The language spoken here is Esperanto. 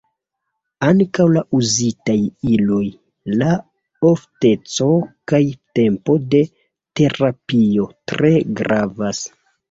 Ankaŭ la uzitaj iloj, la ofteco kaj tempo de terapio tre gravas.